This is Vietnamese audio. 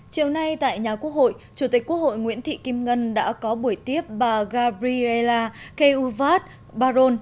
chiều nay tại nhà quốc hội chủ tịch quốc hội nguyễn thị kim ngân đã có buổi tiếp bà gariela keuvat baron